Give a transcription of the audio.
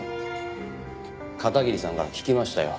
片桐さんから聞きましたよ